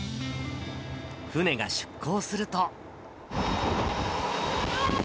船が出港すると。